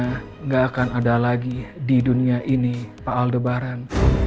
tidak akan ada lagi di dunia ini pak aldebaran